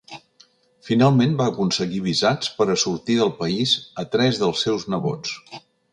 Finalment, va aconseguir visats per a sortir del país a tres dels seus nebots.